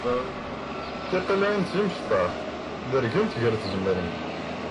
Tiqillaɛin d timecṭaḥ, dergent gar tzemmrin.